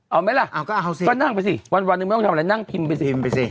เอาไหมล่ะก็นั่งไปสิวันนึงไม่ต้องทำอะไรนั่งพิมพ์ไปสิ